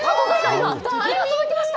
今、届きました！